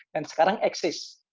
dan sekarang eksis